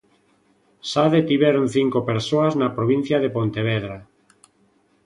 Xa detiveron cinco persoas na provincia de Pontevedra.